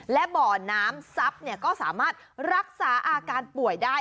และบ่อน้ำทรัพย์ก็สามารถรักษาอาการป่วยได้